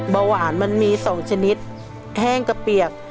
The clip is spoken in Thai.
เบาหวานมันมี๒ชนิดแห้งกระเปียก